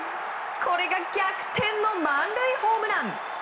これが逆転の満塁ホームラン。